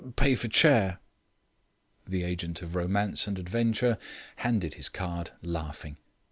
"Pay for chair." The agent of Romance and Adventure handed his card, laughing.